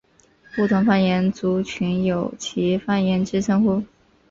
不同方言族群有其方言之称呼。